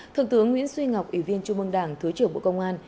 thượng tướng nguyễn xuyên ngọc ủy viên trung mông đảng thứ trưởng bộ công an